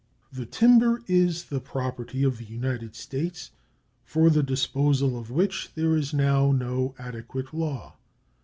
The timber is the property of the United States, for the disposal of which there is now no adequate law.